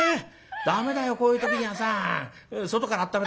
ダメだよこういう時にはさ外からあっためたって。